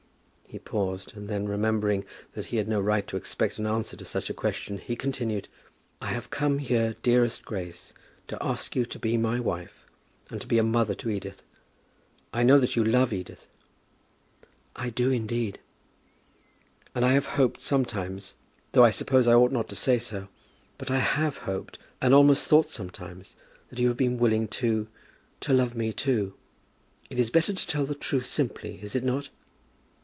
He paused, and then remembering that he had no right to expect an answer to such a question, he continued, "I have come here, dearest Grace, to ask you to be my wife, and to be a mother to Edith. I know that you love Edith." "I do indeed." "And I have hoped sometimes, though I suppose I ought not to say so, but I have hoped and almost thought sometimes, that you have been willing to to love me, too. It is better to tell the truth simply, is it not?"